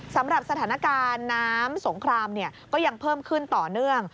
สำหรับสถานการณ์น้ำสงครามก็ยังเพิ่มขึ้นต่อเนื่อง